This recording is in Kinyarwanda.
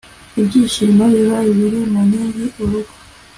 ibyo byishimo biba biri mu nkingi urugo